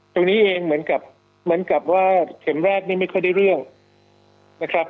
ตรงนี้เองเหมือนกับเหมือนกับว่าเข็มแรกนี่ไม่ค่อยได้เรื่องนะครับ